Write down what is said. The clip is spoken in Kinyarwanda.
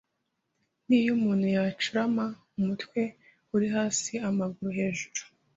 Niyo umuntu yacurama umutwe uri hasi amaguru hejuru,